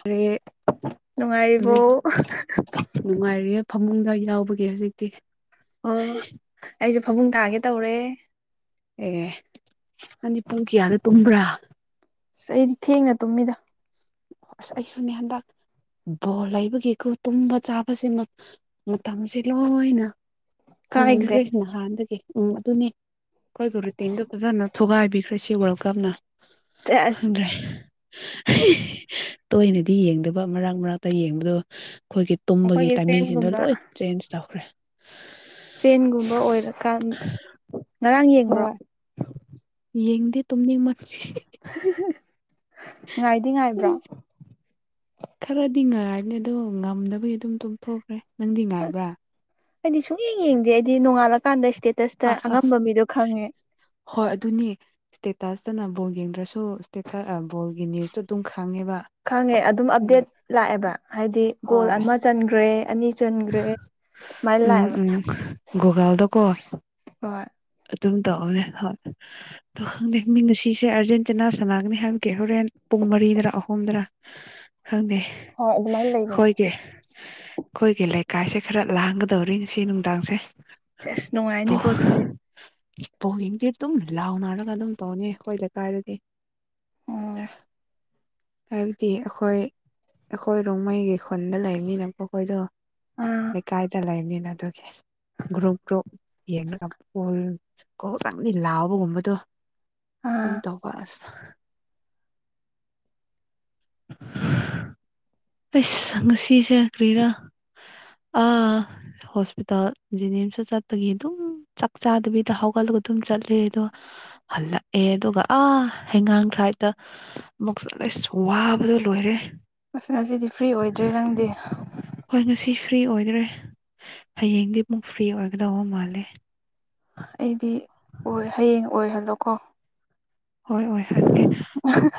[inaudible] ꯍꯧꯖꯤꯛ ꯅꯨꯡꯉꯥꯏꯔꯤꯕꯣ ꯅꯨꯡꯉꯥꯏꯔꯤꯌꯦ ꯐꯃꯨꯡꯗ ꯌꯥꯎꯕꯒꯤ ꯍꯧꯖꯤꯛꯇꯤ ꯑꯣ ꯑꯩꯁꯨ ꯐꯃꯨꯡ ꯊꯥꯒꯦ ꯇꯧꯔꯦ ꯑꯦ ꯅꯪꯗꯤ ꯄꯨꯡ ꯀꯌꯥꯗ ꯇꯨꯝꯕ꯭ꯔꯥ ꯑꯁ ꯑꯩꯗꯤ ꯊꯦꯡꯅ ꯇꯨꯝꯃꯤꯗ ꯑꯁ ꯑꯩꯁꯨꯅꯦ ꯍꯟꯗꯛ ꯕꯣꯜ ꯂꯩꯕꯒꯤꯀꯣ ꯇꯨꯝꯕ ꯆꯥꯕꯁꯤ ꯃꯇꯝꯁꯦ ꯂꯣꯏꯅ ꯀꯥꯏꯈ꯭ꯔꯦ ꯍꯣꯡꯈ꯭ꯔꯦ ꯅꯍꯥꯟꯗꯒꯤ ꯎꯝ ꯑꯗꯨꯅꯦ ꯑꯩꯈꯣꯏꯕꯨ ꯔꯨꯇꯤꯟꯗꯣ ꯐꯖꯅ ꯊꯨꯒꯥꯏꯕꯤꯈ꯭ꯔꯦ ꯁꯤ ꯋꯥꯟꯀꯞꯅ ꯑꯁ ꯈꯪꯗ꯭ꯔꯦ ꯇꯣꯏꯅꯗꯤ ꯌꯦꯡꯗꯕ ꯃꯔꯛ ꯃꯔꯛꯇ ꯌꯦꯡꯕꯗꯣ ꯑꯩꯈꯣꯏꯒꯤ ꯇꯨꯝꯕꯒꯤ ꯑꯩꯈꯣꯏꯒꯤ ꯇꯥꯏꯃꯤꯡꯁꯤꯡꯗꯣ ꯐꯦꯟꯒꯨꯝꯕ ꯂꯣꯏ ꯆꯦꯟꯖ ꯇꯧꯈ꯭ꯔꯦ ꯐꯦꯟꯒꯨꯝꯕ ꯑꯣꯏꯔꯀꯥꯟ ꯉꯔꯥꯡ ꯌꯦꯡꯕ꯭ꯔꯣ ꯍꯣꯏ ꯌꯦꯡꯗꯦ ꯇꯨꯝꯅꯤꯡ ꯉꯥꯏꯗꯤ ꯉꯥꯏꯕ꯭ꯔꯣ ꯈꯔꯗꯤ ꯉꯥꯏꯕꯅꯦ ꯑꯗꯣ ꯉꯝꯗꯅꯕꯒꯤ ꯑꯗꯨꯝ ꯇꯨꯝꯊꯣꯛꯈ꯭ꯔꯦ ꯅꯪꯗꯤ ꯉꯥꯏꯕ꯭ꯔꯥ ꯍꯥꯏꯗꯤ ꯁꯨꯡ ꯌꯦꯡ ꯌꯦꯡꯗꯦ ꯍꯥꯏꯗꯤ ꯅꯣꯡꯉꯥꯜꯂꯀꯥꯟꯗ ꯏꯁꯇꯦꯠ ꯑꯥꯁ ꯑꯥꯁ ꯍꯣꯏ ꯑꯗꯨꯅꯤ ꯏꯁꯇꯦꯇꯥꯁꯇꯅ ꯕꯣꯜ ꯌꯦꯡꯗ꯭ꯔꯁꯨꯇ ꯕꯣꯜꯒꯤ ꯅꯤꯌꯨꯁꯇꯣ ꯑꯗꯨꯝ ꯈꯪꯉꯦꯕ ꯈꯪꯉꯦ ꯑꯗꯨꯝ ꯑꯞꯗꯦꯠ ꯂꯥꯛꯑꯦꯕ ꯍꯥꯏꯗꯤ ꯒꯣꯜ ꯍꯣꯏ ꯑꯃ ꯆꯟꯈ꯭ꯔꯦ ꯑꯅꯤ ꯆꯟꯈ꯭ꯔꯦ ꯃꯥꯏ ꯂꯥꯛꯑꯕ ꯒꯨꯔꯒꯥꯎꯗꯥꯀꯣ ꯍꯣꯏ ꯑꯗꯨꯝ ꯇꯧꯅꯦ ꯍꯣꯏ ꯈꯪꯗ ꯃꯤ ꯉꯁꯤꯁꯦ ꯑꯥꯔꯖꯦꯟꯇꯤꯅꯥ ꯁꯅꯥꯒꯅꯤ ꯍꯥꯏꯕ ꯀꯦ ꯍꯣꯔꯦꯟ ꯄꯨꯡ ꯃꯔꯤꯗꯔ ꯑꯍꯨꯝꯗꯔ ꯈꯪꯗꯦ ꯍꯣꯏ ꯑꯗꯨꯃꯥꯏꯅ ꯂꯩꯕꯅꯦ ꯀꯦ ꯑꯩꯈꯣꯏꯒꯤ ꯂꯩꯀꯥꯏꯁꯦ ꯈꯔ ꯂꯥꯡꯒꯗꯧꯔꯤꯅꯦ ꯁꯤ ꯅꯨꯡꯗꯥꯡꯁꯦ ꯁꯦꯁ ꯅꯨꯡꯉꯥꯏꯅꯤꯀꯣ ꯑꯗꯨꯗꯤ ꯄꯣꯡꯗꯤ ꯑꯗꯨꯝ ꯂꯥꯎꯅꯔꯒ ꯑꯗꯨꯝ ꯇꯧꯅꯤ ꯑꯩꯈꯣꯏ ꯂꯩꯀꯥꯏꯗꯗꯤ ꯑꯥ ꯍꯥꯏꯕꯗꯤ ꯑꯩꯈꯣꯏ ꯑꯩꯈꯣꯏ ꯔꯣꯡꯃꯩꯒꯤ ꯈꯨꯟꯗ ꯂꯩꯅꯤꯅ ꯑꯈꯣꯏꯗꯣ ꯑꯥ ꯀꯥꯏꯗ ꯂꯩꯅꯤꯅ ꯑꯗꯨꯒꯤ ꯒ꯭ꯔꯨꯞ ꯒ꯭ꯔꯨꯞ ꯌꯦꯡꯣꯜ [unintelligible] ꯀ ꯆꯪꯅꯤ ꯂꯥꯎꯕꯒꯨꯝꯕꯗꯣ ꯑꯗꯨꯝ ꯑꯥ ꯇꯧꯕ ꯑꯁ ꯑꯩꯁ ꯉꯁꯤꯁꯦ ꯀ꯭ꯔꯤꯔꯥ ꯑꯥ [inaudible] ꯍꯣꯁꯄꯤꯇꯥꯜ ꯖꯦꯅꯤꯝꯁꯇ ꯆꯠꯄꯒꯤ ꯑꯗꯨꯝ ꯆꯥꯛꯆꯥꯥꯗꯕꯤꯗ ꯍꯧꯒꯠꯂꯒ ꯑꯗꯨꯝ ꯆꯠꯂꯦ ꯑꯗꯣ ꯍꯜꯂꯛꯑꯦ ꯑꯗꯨꯒ ꯑꯥ ꯍꯩꯉꯥꯡ ꯊ꯭ꯔꯥꯏꯗ ꯑꯃꯨꯛꯁꯂꯁ ꯋꯥꯕꯗꯣ ꯂꯣꯏꯔꯦ ꯑꯁ ꯉꯁꯤꯗꯤ ꯐ꯭ꯔꯤ ꯑꯣꯏꯗ꯭ꯔꯦ ꯅꯪꯗꯤ ꯍꯣꯏ ꯉꯁꯤ ꯐ꯭ꯔꯤ ꯑꯣꯏꯗ꯭ꯔꯦ ꯍꯌꯦꯡꯗꯤ ꯑꯃꯨꯛ ꯐ꯭ꯔꯤ ꯑꯣꯏꯒꯗꯧꯕ ꯃꯥꯜꯂꯦ ꯑꯩꯗꯤ ꯑꯣꯏ ꯍꯌꯦꯡ ꯑꯣꯏꯍꯜꯂꯣꯀꯣ ꯍꯣꯏ ꯑꯣꯏꯍꯟꯒꯦ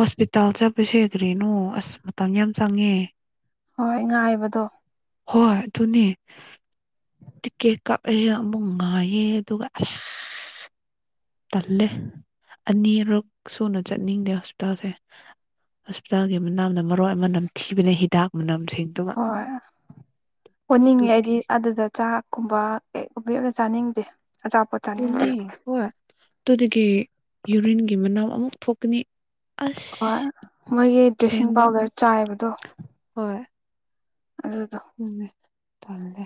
ꯍꯣꯁꯄꯤꯇꯥꯜ ꯆꯠꯄꯁꯦ ꯀ꯭ꯔꯤꯅꯣ ꯑꯁ ꯃꯇꯝ ꯌꯥꯝ ꯆꯪꯉꯦ ꯍꯣꯏ ꯉꯥꯏꯕꯗꯣ ꯍꯣꯏ ꯑꯗꯨꯅꯦ ꯇꯤꯛꯀꯦꯠ ꯀꯛꯑꯦꯒ ꯑꯃꯨꯛ ꯉꯥꯏꯌꯦ ꯑꯗꯨꯒ ꯇꯜꯂꯦ ꯑꯅꯤꯔꯛ ꯁꯨꯅ ꯆꯠꯅꯤꯡꯗꯦ ꯍꯣꯁꯄꯤꯇꯥꯜꯁꯦ ꯍꯣꯁꯄꯤꯇꯥꯜꯒꯤ ꯃꯅꯥꯝꯗ ꯃꯔꯣꯏ ꯑꯃ ꯅꯝꯊꯤꯕꯅ ꯍꯤꯗꯥꯛ ꯃꯅꯝꯁꯤꯡ ꯍꯣꯏ ꯑꯣꯅꯤꯡꯉꯦ ꯑꯗꯨꯗꯒꯤ ꯑꯩꯗꯤ ꯑꯗꯨꯗ ꯆꯥꯛꯀꯨꯝꯕ ꯀꯩꯒꯨꯝꯕ ꯑꯝꯇ ꯆꯥꯅꯤꯡꯗꯦ ꯑꯆꯥꯄꯣꯠ ꯆꯥꯅꯤꯡꯗꯦ ꯑꯗꯨꯅꯦ ꯍꯣꯏ ꯑꯗꯨꯗꯒꯤ ꯌꯨꯔꯤꯟꯒꯤ ꯃꯅꯥꯎ ꯑꯃꯨꯛ ꯊꯣꯛꯀꯅꯤ ꯍꯣꯏ ꯑꯁ ꯃꯣꯏꯒꯤ ꯗ꯭ꯔꯦꯁꯤꯡ ꯁꯦꯡꯕ ꯄꯥꯎꯗꯔ ꯆꯥꯏꯕꯗꯣ ꯍꯣꯏ ꯑꯗꯨꯗꯣ ꯆꯨꯝꯃꯦ ꯇꯥꯜꯂꯦ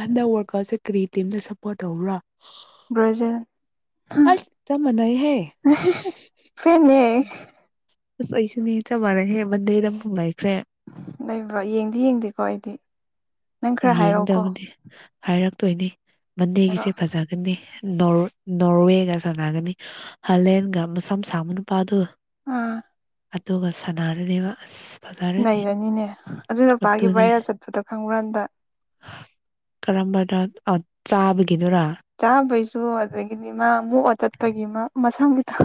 ꯍꯟꯗꯛ ꯋꯥꯔꯀꯔꯞꯁꯦ ꯀꯔꯤ ꯇꯤꯝꯗꯥ ꯁꯄꯣꯔꯠ ꯇꯧꯕ꯭ꯔꯣ ꯕꯔ꯭ꯖꯤꯜ ꯑꯁ ꯆꯞ ꯃꯥꯟꯅꯩꯍꯦ ꯐꯦꯟ ꯅꯦ ꯑꯁ ꯑꯩꯁꯨꯅꯦ ꯆꯞ ꯃꯥꯟꯅꯩꯍꯦ ꯃꯟꯗꯦꯗ ꯑꯃꯨꯛ ꯂꯩꯥꯈ꯭ꯔꯦ ꯂꯩꯕ꯭ꯔꯣ ꯌꯦꯡꯗꯤ ꯌꯦꯡꯗꯦꯀꯣ ꯑꯩꯗꯤ ꯅꯪ ꯈꯔ ꯍꯥꯏꯔꯛꯑꯣꯀꯣ ꯌꯦꯡꯒꯗꯕꯅꯤ ꯍꯥꯏꯔꯛꯇꯣꯏꯅꯤ ꯃꯟꯗꯦꯒꯤꯁꯦ ꯍꯥꯏꯔꯛꯑꯣ ꯐꯖꯒꯅꯤ ꯅꯣꯔ ꯅꯣꯔꯋꯦꯒ ꯁꯥꯟꯅꯒꯅꯤ ꯍꯥꯂꯦꯟꯒ ꯃꯁꯝ ꯁꯥꯕ ꯅꯨꯄꯥꯗꯣ ꯑꯥ ꯑꯗꯨꯒ ꯁꯅꯥꯔꯅꯦꯕ ꯑꯁ ꯐꯖꯔꯅꯤ ꯅꯩꯔꯅꯤꯅꯦ ꯑꯗꯨ ꯅꯨꯄꯥꯒꯤ ꯕꯥꯔꯦꯜ ꯆꯠꯄꯗꯣ ꯈꯪꯕ꯭ꯔꯥ ꯍꯟꯗꯛ ꯀꯔꯝꯕꯅꯣ ꯆꯥꯕꯒꯤꯗꯨꯔ ꯆꯥꯕꯩꯁꯨ ꯑꯗꯒꯤꯗꯤ ꯃꯥ ꯃꯣꯛꯑ ꯆꯠꯄꯒꯤ ꯃꯥ ꯃꯁꯝ ꯒꯤꯗꯣ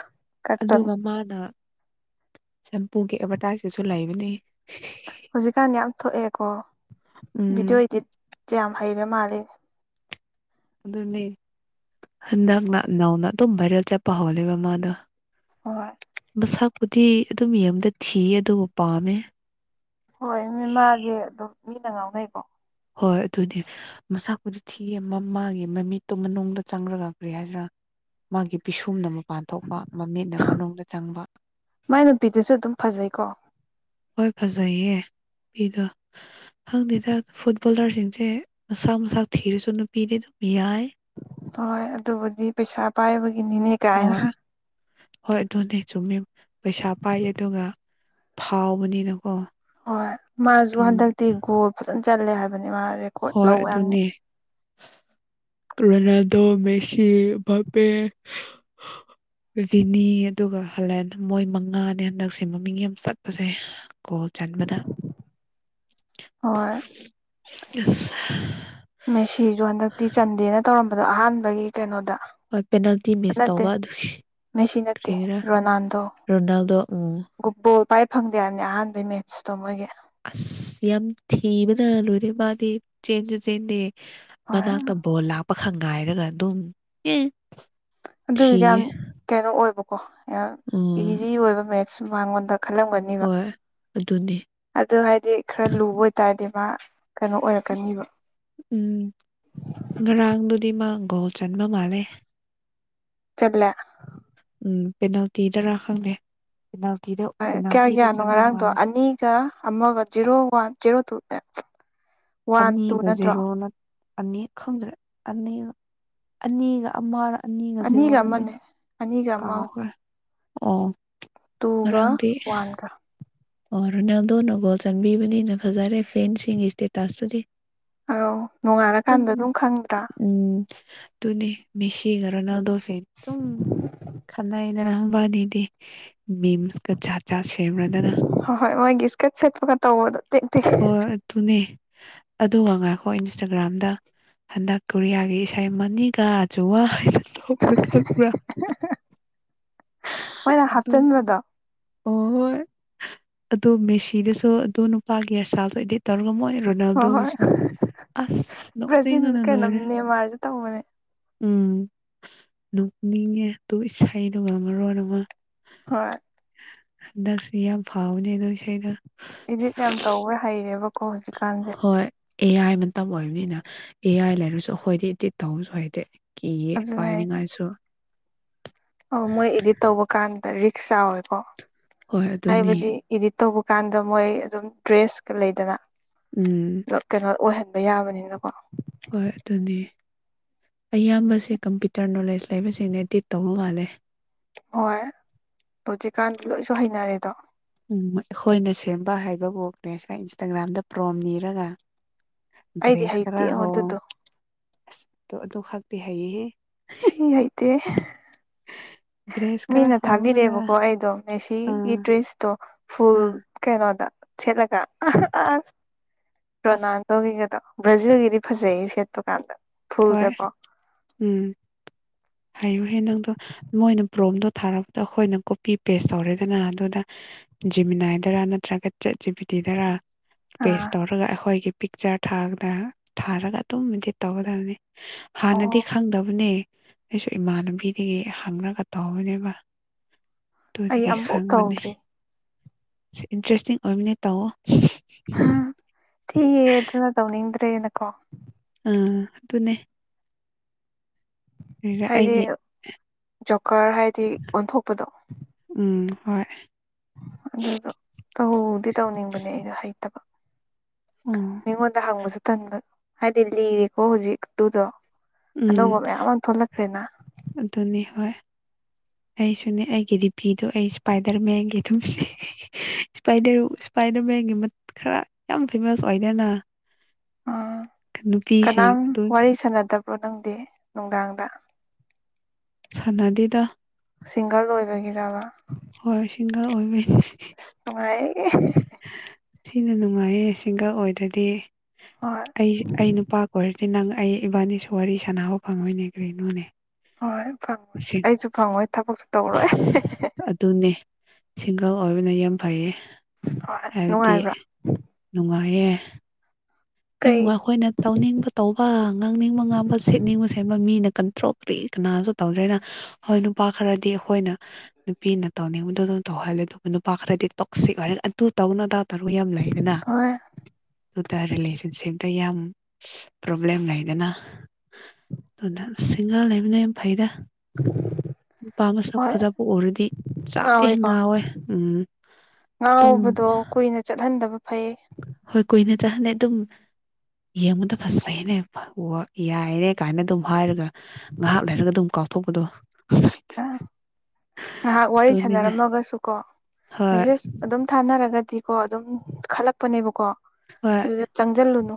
[inaudible] ꯃꯥꯅꯥ ꯁꯦꯝꯄꯨꯒꯤ ꯑꯦꯚꯔꯇꯥꯏꯁꯇꯁꯨ ꯂꯩꯕꯅꯦ ꯍꯧꯖꯤꯛꯀꯥꯟ ꯌꯥꯝ ꯊꯣꯛꯑꯦꯀꯣ ꯎꯝ ꯚꯤꯗꯤꯑꯣ ꯏꯗꯤꯠꯁꯦ ꯌꯥꯝ ꯍꯩꯔ ꯃꯥꯜꯂꯦ ꯑꯗꯨꯅꯦ ꯍꯟꯗꯛꯅ ꯅꯧꯅ ꯑꯗꯨꯝ ꯚꯥꯏꯔꯦꯜ ꯆꯠꯄ ꯍꯧꯅꯦꯕ ꯃꯥꯗꯣ ꯍꯣꯏ ꯃꯁꯥꯛꯄꯨꯗꯤ ꯑꯗꯨꯝ ꯌꯦꯡꯕꯗ ꯊꯤꯌꯦ ꯑꯗꯨꯕꯨ ꯄꯥꯝꯃꯦ ꯍꯣꯏ ꯃꯤꯃꯥꯁꯦ ꯑꯗꯨꯝ ꯃꯤꯅ ꯉꯥꯎꯅꯩꯀꯣ ꯍꯣꯏ ꯑꯗꯨꯅꯤ ꯃꯁꯥꯛꯄꯨꯗꯤ ꯊꯤ ꯑꯃ ꯃꯥꯒꯤ ꯃꯃꯤꯠꯇꯨ ꯃꯅꯨꯡꯗ ꯆꯪꯈ꯭ꯔꯒ ꯒꯔꯤ ꯍꯥꯏꯁꯤꯔꯥ ꯃꯥꯒꯤ ꯄꯤꯁꯨꯝꯅ ꯃꯄꯥꯟ ꯊꯣꯛꯄ ꯃꯃꯤꯠꯅ ꯃꯅꯨꯡꯗ ꯆꯪꯕ ꯃꯥꯏ ꯅꯨꯄꯤꯗꯨꯁꯨ ꯑꯗꯨꯝ ꯐꯖꯩꯀꯣ ꯍꯣꯏ ꯐꯖꯩꯌꯦ ꯅꯨꯄꯤꯗꯣ ꯍꯪꯗꯦꯗ ꯐꯨꯠꯕꯣꯂꯔꯁꯤꯡꯁꯦ ꯃꯁꯥ ꯃꯁꯥ ꯊꯤꯔꯁꯨ ꯅꯨꯄꯤꯗꯤ ꯑꯗꯨꯝ ꯌꯥꯏ ꯍꯣꯏ ꯑꯗꯨꯕꯨꯗꯤ ꯄꯩꯁꯥ ꯄꯥꯏꯕꯒꯤꯅꯤꯅꯦ ꯍꯣꯏ ꯀꯥꯏꯅ ꯍꯣꯏ ꯑꯗꯨꯅꯦ ꯆꯨꯝꯃꯤ ꯄꯩꯁꯥ ꯄꯥꯏ ꯑꯗꯨꯒ ꯐꯥꯎꯕꯅꯤꯅꯀꯣ ꯍꯣꯏ ꯃꯥꯁꯨ ꯑꯗꯨꯝ ꯍꯟꯗꯛꯇꯤ ꯒꯣꯜ ꯐꯖꯅ ꯆꯜꯂꯦ ꯍꯥꯏꯕꯅꯦ ꯃꯥ ꯔꯦꯀꯣꯔꯠ ꯍꯣꯏ ꯂꯧꯋꯦ ꯍꯥꯏꯕꯅꯤ ꯑꯗꯨꯅꯦ ꯔꯣꯅꯥꯜꯗꯣ ꯃꯦꯁꯤ ꯕꯥꯄꯦ ꯚꯕꯤꯅꯤ ꯑꯗꯨꯒ ꯍꯥꯂꯥꯜ ꯃꯣꯏ ꯃꯉꯥꯅꯦ ꯍꯟꯗꯛꯁꯦ ꯃꯃꯤꯡ ꯌꯥꯝ ꯆꯠꯄꯁꯦ ꯒꯣꯜ ꯆꯟꯕꯗ ꯍꯣꯏ [unintelligible] ꯃꯦꯁꯤꯁꯨ ꯍꯟꯗꯛꯇꯤ ꯆꯟꯗꯦꯅ ꯇꯧꯔꯝꯕꯗꯣ ꯑꯍꯥꯟꯕꯒꯤ ꯀꯩꯅꯣꯗ ꯍꯣꯏ ꯄꯦꯅꯥꯜꯇꯤ ꯃꯤꯁ ꯅꯠꯇꯦ ꯇꯧꯕ ꯑꯗꯨ ꯃꯦꯁꯤ ꯅꯠꯇꯦ ꯀ꯭ꯔꯤꯔꯥ ꯔꯣꯅꯥꯜꯗꯣ ꯔꯣꯅꯥꯜꯗꯣ ꯑꯝ ꯕꯣꯜ ꯄꯥꯏ ꯐꯪꯗꯦ ꯍꯥꯏꯕꯅꯦ ꯑꯍꯥꯟꯕꯩ ꯃꯦꯠꯁꯇꯣ ꯃꯣꯏꯒꯤ ꯑꯁ ꯌꯥꯝ ꯊꯤꯕꯅ ꯂꯣꯏꯔꯦ ꯃꯥꯗꯤ ꯆꯦꯟꯁꯨ ꯆꯦꯟꯗꯦ ꯍꯣꯏ ꯃꯅꯥꯛꯇ ꯕꯣꯜ ꯂꯥꯛꯄ ꯈꯛ ꯉꯥꯏꯔꯒ ꯑꯗꯨꯝ ꯑꯝ ꯑꯗꯨ ꯊꯤꯌꯦ ꯌꯥꯝ ꯀꯩꯅꯣ ꯑꯣꯏꯕꯀꯣ ꯌꯥꯝ ꯎꯝ ꯏꯖꯤ ꯑꯣꯏꯕ ꯃꯦꯠꯁ ꯃꯉꯣꯟꯗ ꯈꯜꯂꯝꯒꯅꯤ ꯍꯣꯏ ꯑꯗꯨꯅꯦ ꯑꯗꯨ ꯍꯥꯏꯗꯤ ꯈꯔ ꯂꯨꯕ ꯑꯣꯏꯇꯥꯔꯗꯤ ꯃꯥ ꯀꯩꯅꯣ ꯑꯣꯏꯔꯛꯀꯅꯤꯕ ꯎꯝ ꯉꯔꯥꯡꯗꯨꯗꯤ ꯃꯥ ꯒꯣꯜ ꯆꯟꯕ ꯃꯥꯜꯂꯦ [unintelligible] ꯎꯝ ꯄꯦꯅꯥꯜꯇꯤꯗꯔꯥ ꯈꯪꯗꯦ ꯄꯦꯅꯥꯜꯇꯤꯗ ꯀꯌꯥ ꯄꯦꯅꯥꯜꯇꯤꯗ ꯀꯌꯥꯅꯣ ꯆꯟꯕ ꯉꯔꯥꯡꯗꯣ ꯃꯥꯜꯂꯦ ꯑꯅꯤꯒ ꯑꯃꯒ zero one zero two one two ꯅꯠꯇ꯭ꯔꯣ ꯑꯅꯤꯛ ꯈꯪꯗ꯭ꯔꯦ ꯑꯅꯤꯒ ꯑꯅꯤꯒ ꯑꯃꯔ ꯑꯅꯤꯒ ꯖꯤꯔꯣꯔꯗꯤ ꯑꯃꯅꯦ ꯑꯅꯤꯒ ꯑꯃ ꯀꯥꯎꯈ꯭ꯔꯦ ꯑꯣ ꯇꯨꯒ ꯉꯔꯥꯡꯗꯤ ꯋꯥꯟꯒ ꯑꯣ ꯔꯣꯅꯥꯜꯗꯣ ꯅ ꯒꯣꯜ ꯆꯟꯕꯤꯕꯅꯤꯅ ꯐꯖꯔꯦ ꯐꯦꯟꯁꯤꯡꯒꯤ ꯏꯁꯇꯦꯇꯥꯁꯇꯨꯗꯤ ꯑꯥꯎ ꯅꯣꯡꯉꯥꯜꯂꯀꯥꯟꯗ ꯑꯗꯨꯝ ꯈꯪꯗ꯭ꯔꯥ ꯎꯝ ꯑꯗꯨꯅꯤ ꯃꯦꯁꯤꯒ ꯔꯣꯅꯥꯜꯗꯣ ꯐꯦꯟ ꯑꯗꯨꯝ ꯈꯠꯅꯩ ꯗꯅꯕꯥꯅꯤꯗꯤ ꯃꯤꯝꯁꯀ ꯖꯥꯠ ꯖꯥꯠ ꯁꯦꯝꯔꯗꯅ ꯍꯣꯏ ꯍꯣꯏꯒꯤ ꯏꯁꯀꯠ ꯁꯦꯠꯄꯒ ꯇꯧꯕꯗꯣ ꯇꯦꯛ ꯇꯦꯛ ꯍꯣꯏ ꯑꯗꯨꯅꯦ ꯑꯗꯨꯒ ꯉꯉꯥꯏꯈꯣ ꯏꯟꯁꯇꯥꯒ꯭ꯔꯥꯝꯗ ꯍꯟꯗꯛ ꯀꯣꯔꯤꯌꯥꯒꯤ ꯏꯁꯩ ꯑꯃ ꯅꯤꯒ ꯆꯨꯋꯥ ꯇꯧꯕꯗꯣ ꯈꯪꯕ꯭ꯔꯥ ꯍꯥꯍꯥ ꯍꯥ ꯑꯗꯨ ꯍꯥꯞꯆꯤꯟꯕꯗꯣ ꯑꯣ ꯍꯣꯏ ꯑꯗꯣ ꯃꯦꯁꯤꯗꯁꯨ ꯑꯗꯨ ꯅꯨꯄꯥꯒꯤ ꯑꯁꯥꯗ ꯑꯣꯏꯗꯤ ꯇꯧꯔꯒ ꯃꯣꯏ ꯍꯣꯏ ꯍꯣꯏ ꯔꯣꯅꯥꯜꯗꯣꯒꯤꯁꯨ ꯑꯁ ꯕ꯭ꯔꯥꯖꯤꯜ ꯅꯣꯛꯅꯤꯡꯕꯅ ꯀꯩꯅꯣ ꯂꯣꯏꯔꯦ ꯅꯦꯃꯥꯔꯁꯨ ꯇꯧꯕꯅꯦ ꯎꯝ ꯅꯣꯛꯅꯤꯡꯉꯦ ꯇꯨ ꯏꯁꯩꯗꯨ ꯃꯔꯣꯜ ꯑꯃ ꯍꯣꯏ ꯗꯁꯤꯕꯤ ꯌꯥꯝ ꯐꯥꯎꯅꯦꯗꯣ ꯏꯁꯩꯗꯣ ꯏꯗꯤꯠ ꯌꯥꯝ ꯇꯧꯕ ꯍꯩꯔꯦꯕꯀꯣ ꯍꯧꯖꯤꯛꯀꯥꯟꯁꯦ ꯍꯣꯏ ꯑꯦ ꯑꯥꯏ ꯃꯇꯝ ꯑꯣꯏꯕꯅꯤꯅ ꯑꯦ ꯑꯥꯏ ꯂꯩꯔꯁꯨ ꯑꯩꯈꯣꯏꯗꯤ ꯇꯧꯕꯁꯨ ꯍꯩꯗꯦ ꯀꯤꯌꯦ ꯑꯗꯨꯅ ꯄꯥꯏ ꯅꯤꯡ ꯉꯥꯏꯁꯨ ꯑꯣ ꯃꯣꯏ ꯏꯗꯤꯠ ꯇꯧꯕ ꯀꯥꯟꯗ ꯔꯤꯛꯁ ꯆꯥꯎꯋꯦꯀꯣ ꯍꯣꯏ ꯑꯗꯨꯅꯤ ꯍꯥꯏꯕꯗꯤ ꯏꯗꯤꯠ ꯇꯧꯕ ꯀꯥꯟꯗ ꯃꯣꯏ ꯑꯗꯨꯝ ꯗ꯭ꯔꯦꯁꯀ ꯂꯩꯗꯅ ꯎꯝ ꯀꯩꯅꯣ ꯑꯣꯏꯍꯟ ꯌꯥꯕꯅꯤꯅꯀꯣ ꯍꯣꯏ ꯑꯗꯨꯅꯤ ꯑꯌꯥꯝꯕꯁꯦ ꯀꯝꯄ꯭ꯌꯨꯇꯔ ꯅꯣꯂꯦꯖ ꯂꯩꯕꯁꯤꯡꯅꯗꯤꯠ ꯇꯧꯕ ꯃꯥꯜꯂꯦ ꯍꯣꯏ ꯍꯧꯖꯤꯛꯀꯥꯟꯗꯤ ꯂꯣꯏꯁꯨ ꯍꯩꯅꯔꯦꯗꯣ ꯎꯝ ꯑꯩꯈꯣꯏꯅ ꯁꯦꯝꯕ ꯍꯩꯕꯕꯨ ꯀꯦꯁꯀ ꯏꯟꯁꯇꯥꯒ꯭ꯔꯥꯝꯗ ꯄ꯭ꯔꯣꯝ ꯅꯤꯔꯒ ꯑꯩꯗꯤ ꯗ꯭ꯔꯦꯁ ꯍꯩꯇꯦ ꯈꯔ ꯌꯦꯡꯉꯣ ꯍꯣꯡ ꯑꯗꯨꯗꯣ ꯑꯁ ꯑꯗꯨ ꯑꯗꯨ ꯈꯥꯛꯛꯇꯤ ꯍꯥꯏꯌꯦꯍꯦ ꯏ ꯍꯩꯇꯦ ꯗ꯭ꯔꯦꯁ ꯈꯔ ꯃꯤꯅ ꯍꯣꯡꯂꯒ ꯊꯥꯕꯤꯔꯛꯑꯦꯕꯀꯣ ꯑꯩꯗꯣ ꯃꯦꯁꯤꯒꯤ ꯑꯥ ꯗ꯭ꯔꯦꯁꯇꯣ ꯐꯨꯜ ꯑꯥ ꯀꯩꯅꯣꯗ ꯁꯦꯠꯂꯒ ꯔꯣꯅꯥ ꯑꯁ ꯇꯧꯒꯗꯣ ꯕ꯭ꯔꯥꯖꯤꯜꯒꯤꯗꯤ ꯐꯖꯩꯌꯦ ꯁꯦꯠꯄ ꯀꯥꯟꯗ ꯍꯣꯏ ꯐꯨꯜꯗꯀꯣ ꯎꯝ ꯍꯥꯏꯌꯨꯍꯦ ꯅꯪꯗꯣ ꯃꯣꯏꯅ ꯄ꯭ꯔꯣꯝꯗꯣ ꯊꯥꯔꯕꯗ ꯑꯩꯈꯣꯏꯅ ꯀꯣꯄꯤ ꯄꯦꯁ ꯇꯧꯔꯦꯗꯅ ꯑꯗꯨꯗ ꯖꯤꯃꯤꯅꯥꯏꯗꯔꯥ ꯅꯠꯇ꯭ꯔꯒ ꯆꯦꯠ ꯖꯤꯕꯤꯇꯤꯗꯔꯥ ꯄꯦꯁ ꯑꯥ ꯇꯧꯔꯒ ꯑꯩꯈꯣꯏꯒꯤ ꯄꯤꯛꯆꯔ ꯊꯥ ꯊꯥꯔꯒ ꯑꯗꯨꯝ ꯏꯗꯤꯠ ꯇꯧꯒꯗꯕꯅꯤ ꯑꯣ ꯍꯥꯟꯅꯗꯤ ꯈꯪꯗꯕꯅꯦ ꯑꯩꯁꯨ ꯏꯃꯥꯟꯅꯕꯤꯗꯒꯤ ꯍꯪꯉꯒ ꯇꯧꯔꯅꯦꯕ ꯑꯩ ꯇꯣꯗꯒꯤ ꯑꯃꯨꯛ ꯈꯪꯕꯅꯦ ꯇꯧꯗ꯭ꯔꯤ ꯁꯤ ꯏꯟꯇꯔꯦꯁꯇꯤꯡ ꯑꯣꯏꯕꯅꯦ ꯇꯧꯋꯣ ꯊꯤꯌꯦ ꯑꯗꯨꯅ ꯇꯧꯅꯤꯡꯗ꯭ꯔꯦꯅꯀꯣ ꯏꯆꯝ ꯑꯗꯨꯅꯦ ꯍꯥꯏꯗꯤ ꯑꯩꯒꯤ ꯖꯣꯀꯔ ꯍꯥꯏꯗꯤ ꯑꯣꯟꯊꯣꯛꯄꯗꯣ ꯎꯝ ꯍꯣꯏ ꯑꯗꯨꯗꯣ ꯇꯧꯗꯤ ꯇꯧꯅꯤꯡꯕꯅꯦ ꯑꯩꯗꯣ ꯍꯩꯇꯕ ꯎꯝ ꯃꯤꯉꯣꯟꯗ ꯍꯪꯕꯁꯨ ꯇꯟꯕꯗꯣ ꯍꯥꯏꯗꯤ ꯂꯤꯔꯦꯀꯣ ꯍꯧꯖꯤꯛꯇꯨꯗꯣ ꯎꯝ ꯑꯗꯨꯅꯤ ꯍꯣꯏ ꯑꯩꯁꯨꯅꯦ ꯑꯩꯒꯤ ꯗꯤꯄꯤꯗꯨ ꯑꯩ ꯏꯁꯄꯥꯏꯗꯔ ꯃꯦꯟꯒꯤ ꯑꯗꯨꯝ ꯁꯤ ꯏꯁꯄꯥꯏꯗꯔ ꯏꯁꯄꯥꯏꯗꯔ ꯃꯦꯟꯒꯤ ꯈꯔ ꯌꯥꯝ ꯐꯦꯃꯁ ꯑꯣꯏꯗꯅ ꯎꯝ ꯅꯨꯄꯤꯁꯤꯡ ꯀꯅꯥꯝ ꯑꯗꯨ ꯋꯥꯔꯤ ꯁꯥꯟꯅꯗꯕ꯭ꯔꯣ ꯅꯪꯗꯤ ꯅꯨꯡꯗꯥꯡꯗ ꯁꯥꯟꯅꯗꯦꯗꯥ ꯁꯤꯡꯒꯜ ꯑꯣꯏꯕꯒꯤꯔꯕ ꯍꯣꯏ ꯁꯤꯡꯒꯥꯜ ꯑꯣꯏꯕ [unintelligible] ꯊꯤꯅ ꯅꯨꯡꯉꯥꯏꯌꯦ ꯁꯤꯡꯒꯜ ꯑꯣꯏꯗ꯭ꯔꯗꯤ ꯍꯣꯏ ꯑꯩ ꯑꯩ ꯅꯨꯄꯥ ꯀꯣꯏꯔꯗꯤ ꯅꯪ ꯑꯩ ꯏꯕꯥꯅꯤꯁꯨ ꯋꯥꯔꯤ ꯁꯥꯟꯅꯕ ꯐꯪꯉꯣꯏꯅꯦ ꯀꯔꯤꯅꯣꯅꯦ ꯍꯣꯏ ꯐꯪ ꯑꯩꯁꯨ ꯐꯪꯉꯣꯏ ꯊꯕꯛꯁꯨ ꯇꯧꯔꯣꯏ ꯗꯨꯅꯦ ꯁꯤꯡꯒꯜ ꯑꯣꯏꯕꯅ ꯌꯥꯝ ꯐꯩꯌꯦ ꯍꯣꯏ ꯍꯥꯏꯕꯗꯤ ꯅꯨꯡꯉꯥꯏꯕ꯭ꯔꯥ ꯅꯨꯡꯉꯥꯏꯌꯦ ꯌꯥꯝ ꯀꯩ ꯅꯨꯡꯉꯥꯏ ꯑꯩꯈꯣꯏꯅ ꯇꯧꯅꯤꯡꯕ ꯇꯧꯕ ꯉꯥꯡꯅꯤꯡꯕ ꯉꯥꯡꯕ ꯁꯦꯠꯅꯤꯡꯕ ꯁꯦꯠꯕ ꯃꯤꯅ ꯀꯟꯇ꯭ꯔꯣꯛ ꯀ꯭ꯔꯤ ꯀꯅꯥꯁꯨ ꯇꯧꯗ꯭ꯔꯦꯅ ꯍꯣꯏ ꯅꯨꯄꯥ ꯈꯔꯗꯤ ꯑꯩꯈꯣꯏꯅ ꯅꯨꯄꯤꯅ ꯇꯧꯅꯤꯡꯕꯗ ꯑꯗꯨꯝ ꯇꯧꯍꯜꯂꯦ ꯑꯗꯨꯕꯨ ꯅꯨꯄꯥ ꯈꯔꯗꯤ ꯇꯣꯛꯁꯤꯛ ꯑꯣꯏꯔ ꯑꯗꯨ ꯇꯧꯒꯥꯅꯣ ꯑꯗꯥ ꯇꯔꯨ ꯌꯥꯝ ꯂꯩꯗꯅ ꯍꯣꯏ [unintelligible] ꯁꯤꯟꯁꯗ ꯌꯥꯝ ꯄ꯭ꯔꯣꯕ꯭ꯂꯦꯝ ꯂꯩꯗꯅ ꯑꯗꯨꯅ ꯁꯤꯡꯒꯜ ꯂꯩꯕꯅ ꯌꯥꯝ ꯐꯩꯗ ꯅꯨꯄꯥ ꯃꯁꯛ ꯍꯣꯏ ꯐꯖꯕ ꯎꯔꯗꯤ ꯆꯥꯛꯑꯦ ꯉꯥꯎꯋꯦꯀꯣ ꯉꯥꯎꯋꯦ ꯎꯝ ꯑꯗꯨꯝ ꯉꯥꯎꯕꯗꯣ ꯀꯨꯏꯅ ꯆꯠꯍꯟꯗꯕ ꯐꯩ ꯍꯣꯏ ꯀꯨꯏꯅ ꯆꯠꯍꯟꯗꯦ ꯑꯗꯨꯝ ꯌꯦꯡꯕꯗ ꯐꯖꯩꯅꯦ [unintelligible] ꯌꯥꯏꯅꯦ ꯀꯥꯏꯅ ꯑꯗꯨꯝ ꯍꯥꯏꯔꯒ ꯉꯥꯏꯍꯥꯛ ꯂꯩꯔꯒ ꯑꯗꯨꯝ ꯀꯥꯎꯊꯣꯛꯄꯗꯣ ꯑ ꯉꯥꯏꯍꯥꯛ ꯋꯥꯔꯤ ꯑꯗꯨꯅꯤꯅꯦ ꯁꯥꯟꯅꯔꯝꯃꯒꯁꯨ ꯀꯣ ꯍꯣꯏ ꯃꯦꯁꯦꯁ ꯑꯗꯨꯝ ꯊꯥꯅꯔꯒꯗꯤꯀꯣ ꯑꯗꯨꯝ ꯈꯜꯂꯛꯄꯅꯦꯕꯀꯣ ꯍꯣꯏ ꯑꯗꯨꯗ ꯆꯪꯖꯜꯂꯨꯅꯨ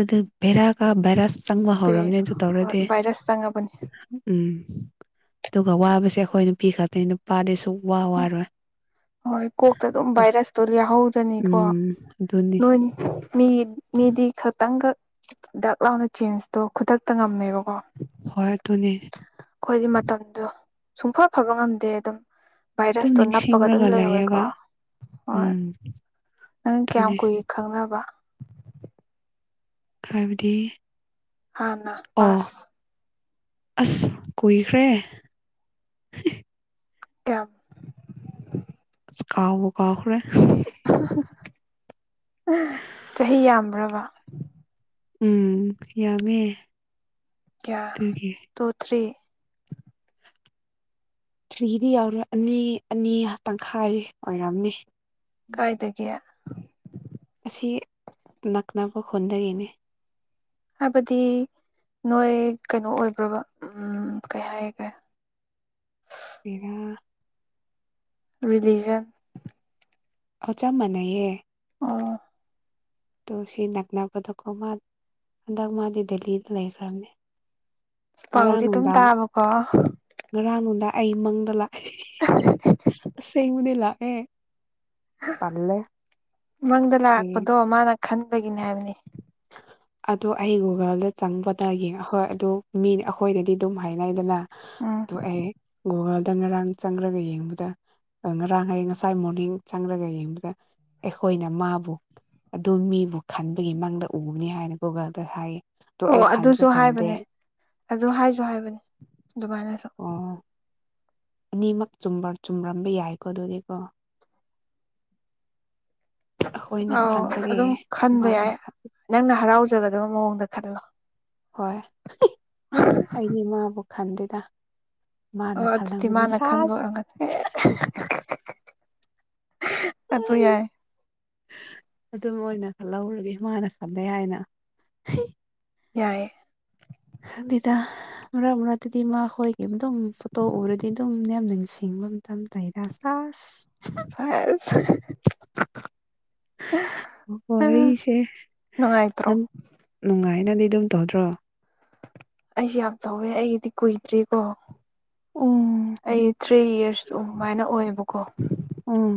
ꯑꯗꯨ ꯚꯦꯔꯥꯒ ꯚꯦꯔꯥꯁ ꯆꯪꯕ ꯄꯦ ꯍꯧꯔꯕꯅꯦ ꯑꯗꯨ ꯍꯣꯏ ꯇꯧꯔꯗꯤ ꯚꯥꯏꯔꯁ ꯆꯪꯉꯕꯅꯤ ꯎꯝ ꯑꯗꯨꯒ ꯋꯥꯕꯁꯦ ꯑꯩꯈꯣꯏ ꯅꯨꯄꯤ ꯈꯛꯇꯅꯤ ꯅꯨꯄꯥꯗꯤ ꯁꯨꯛꯋꯥ ꯋꯥꯔꯣꯏ ꯍꯣꯏ ꯀꯣꯛꯇ ꯑꯗꯨꯝ ꯍꯣꯏ ꯚꯥꯏꯔꯁꯇꯣ ꯌꯥꯍꯧꯔꯅꯤꯀꯣ ꯎꯝ ꯑꯗꯨꯅꯤ ꯅꯣꯏꯅꯤ ꯃꯤ ꯃꯤꯗꯤ ꯈꯇꯪꯈꯛ ꯗꯛ ꯂꯥꯎꯅ ꯆꯦꯟꯖꯇꯣ ꯈꯨꯗꯛꯇ ꯉꯝꯃꯦꯕꯀꯣ ꯍꯣꯏ ꯇꯨꯅꯤ ꯑꯩꯈꯣꯏꯗꯤ ꯃꯇꯝꯗꯣ ꯁꯨꯡꯐ ꯐꯕ ꯉꯝꯗꯦ ꯑꯗꯨꯝ ꯑꯗꯨꯝ ꯚꯥꯏꯔꯁꯇꯣ ꯅꯞꯄꯒ ꯑꯗꯨꯝ ꯅꯤꯡꯁꯤꯡꯂꯒ ꯂꯩꯍꯧꯋꯦꯀꯣ ꯂꯩꯌꯦꯕ ꯍꯣꯏ [unintelligible] ꯅꯪ ꯀꯌꯥꯝ ꯑꯗꯨꯅꯤ ꯀꯨꯏ ꯈꯪꯅꯕ ꯍꯥꯏꯕꯗꯤ ꯍꯥꯟꯅ ꯑꯣ ꯄꯥꯁ ꯑꯁ ꯀꯨꯏꯈ꯭ꯔꯦ ꯀꯌꯥꯝ ꯀꯥꯥꯎꯕꯨ ꯀꯥꯎꯈꯔꯦ ꯆꯍꯤ ꯌꯥꯝꯕ꯭ꯔꯕ ꯎꯝ ꯌꯥꯝꯃꯦ ꯀꯌꯥ ꯑꯗꯨꯒꯤ ꯇꯨ ꯊ꯭ꯔꯤ ꯊ꯭ꯔꯤꯗꯤ ꯌꯥꯎꯔꯣꯏ ꯑꯅꯤ ꯑꯅꯤ ꯇꯪꯈꯥꯏ ꯑꯣꯏꯔꯝꯑꯝꯅꯤ ꯀꯥꯏꯗꯒꯤ ꯑꯁꯤ ꯅꯛꯅꯕ ꯈꯨꯟꯗꯒꯤꯅꯤ ꯍꯥꯏꯕꯗꯤ ꯅꯣꯏ ꯀꯩꯅꯣ ꯑꯣꯏꯕ꯭ꯔꯕ ꯎꯝ ꯀꯩ ꯍꯥꯏꯈ꯭ꯔꯦ [unintelligible] [unintelligible] ꯑ ꯆꯞ ꯃꯥꯟꯅꯩꯌꯦ ꯑꯣ ꯗꯨ ꯁꯤ ꯅꯛꯅꯕꯗꯀꯣ ꯃꯥ ꯍꯟꯗꯛ ꯃꯥꯗꯤ ꯗꯦꯜꯂꯤꯗ ꯂꯩꯈ꯭ꯔꯕꯅꯦ ꯉꯔꯥꯡ ꯄꯥꯎꯗꯤ ꯑꯗꯨꯝ ꯅꯨꯡꯗꯥꯡ ꯇꯥꯕ ꯀꯣ ꯉꯔꯥꯡ ꯅꯣꯗꯥ ꯑꯩ ꯃꯪꯗ ꯂꯥꯛꯑꯦ [unintelligible] ꯑꯁ ꯑꯩꯕꯨꯗꯤ ꯂꯥꯛꯑꯦ ꯇꯜꯂꯦ ꯃꯪꯗ ꯀ꯭ꯔꯤ ꯂꯥꯛꯄꯗꯣ ꯃꯥꯅ ꯈꯟꯕꯒꯤꯅꯤ ꯍꯥꯏꯕꯅꯤ ꯑꯗꯣ ꯑꯩ ꯒꯨꯒꯜꯗ ꯆꯪꯕꯗꯌꯦ ꯑ ꯍꯣꯏ ꯑꯗ ꯃꯤ ꯑꯩꯈꯣꯏꯗꯗꯤ ꯑꯗꯨꯝ ꯍꯥꯏꯅꯩꯗꯅ ꯎꯝ ꯑꯣ ꯑꯩ ꯒꯨꯒꯜꯗ ꯉꯔꯥꯡ ꯆꯪꯔꯒ ꯌꯦꯡꯕꯗ ꯉꯔꯥꯡ ꯍꯌꯦꯡ ꯉꯁꯥꯏ ꯃꯣꯔꯅꯤꯡ ꯆꯪꯂꯒ ꯌꯦꯡꯕꯗ ꯑꯩꯈꯣꯏꯅ ꯃꯥꯕꯨ ꯑꯗꯨ ꯃꯤꯕꯨ ꯈꯟꯕꯒꯤ ꯃꯥꯡꯗ ꯎꯕꯅꯤ ꯍꯥꯏꯅ ꯒꯨꯒꯜꯗ ꯍꯥꯏꯌꯦ ꯑꯗꯣ ꯑꯣ ꯑꯩ ꯈꯟꯁꯨ ꯑꯗꯨꯁꯨ ꯈꯟꯗꯦ ꯍꯥꯏꯕꯅꯦ ꯑꯗꯨ ꯍꯥꯏꯁꯨ ꯍꯥꯏꯕꯅꯦ ꯑꯗꯨꯃꯥꯏꯅꯁꯨ ꯑꯣ ꯑꯅꯤꯃꯛ ꯆꯨꯝꯔꯝꯕ ꯌꯥꯏꯀꯣ ꯑꯗꯨꯗꯤꯀꯣ ꯑꯩꯈꯣꯏꯅ ꯑꯥꯎ ꯈꯟꯕꯒꯤ ꯑꯗꯨꯝ ꯈꯟꯕ ꯃꯥꯅ ꯌꯥꯏ ꯅꯪꯅ ꯍꯔꯥꯎꯖꯒꯗꯕ ꯃꯑꯣꯡꯗ ꯈꯜꯂꯣ ꯍꯣꯏ ꯑꯩꯗꯤ ꯏꯃꯥꯕꯨ ꯈꯟꯗꯦꯗ ꯃꯥꯅ ꯑꯣ ꯑꯗꯨꯗꯤ ꯈꯜꯂꯝꯒꯅꯤ ꯃꯥꯅ ꯁꯥꯁ ꯈꯟꯕꯑꯣꯏꯔꯝꯃꯅꯤ ꯑꯗꯨ ꯌꯥꯏ ꯑꯗꯨꯝ ꯑꯣꯏꯅ ꯈꯜꯍꯧꯔꯒꯦ ꯃꯥꯅ ꯈꯟꯂꯩ ꯍꯥꯏꯅ ꯌꯥꯏꯌꯦ ꯈꯟꯗꯤꯗ ꯃꯔꯛ ꯃꯔꯛꯇꯗꯤ ꯃꯥ ꯍꯣꯏꯈꯤꯕ ꯑꯗꯨꯝ ꯐꯣꯇꯣ ꯎꯔꯗꯤ ꯑꯗꯨꯝ ꯃꯌꯥꯝ ꯅꯤꯡꯁꯤꯡꯕ [unintelligible] [unintelligible] ꯑ ꯋꯥꯔꯤꯁꯦ ꯅꯨꯡꯉꯥꯏꯇ꯭ꯔꯣ ꯅꯪ ꯅꯨꯡꯉꯥꯏꯅꯗꯤ ꯑꯗꯨꯝ ꯇꯧꯗ꯭ꯔꯣ ꯑꯩꯁꯨ ꯌꯥꯝ ꯇꯧꯋꯦ ꯑꯩꯒꯤꯗꯤ ꯀꯨꯏꯗ꯭ꯦꯀꯣ ꯑꯣ ꯑꯩ ꯊ꯭ꯔꯤ ꯌꯔꯁ ꯑꯗꯨꯃꯥꯏꯅ ꯑꯣꯏꯌꯦꯕꯀꯣ ꯑꯣ